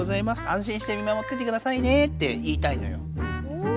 安心して見守っててくださいね」って言いたいのよ。